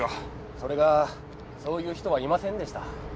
それがそういう人はいませんでした。